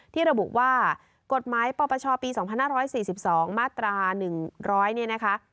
ที่ระบุว่ากฎหมายปปชปีสองพันห้าร้อยสี่สิบสองมาตราหนึ่งร้อยเนี่ยนะคะ